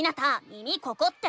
「耳ここ⁉」って。